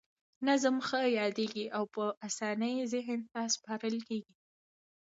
نظم ښه یادیږي او په اسانۍ ذهن ته سپارل کیږي.